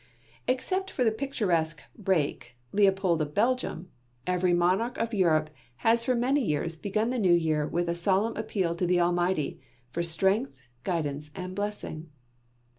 Except that picturesque rake, Leopold of Belgium, every monarch of Europe has for many years begun the New Year with a solemn appeal to the Almighty, for strength, guidance, and blessing.